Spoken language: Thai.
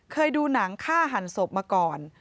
เคยดูหนังฆ่าหันศพมาก่อน